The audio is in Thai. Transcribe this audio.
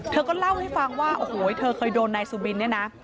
เธอก็เล่าให้ฟังว่าโอ้โหเธอเคยโดนนายสุบินเนี่ยนะ